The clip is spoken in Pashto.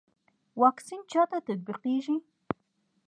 واکسین چا ته تطبیقیږي؟